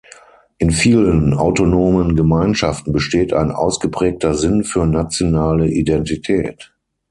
In vielen autonomen Gemeinschaften besteht ein ausgeprägter Sinn für nationale Identität.